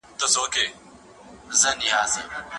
احمد شاه حسين د واک په اوږدو کې د ځان محاسبه مهمه بلله.